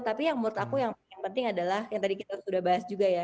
tapi yang menurut aku yang paling penting adalah yang tadi kita sudah bahas juga ya